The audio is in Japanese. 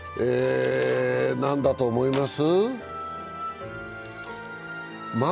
何だと思います？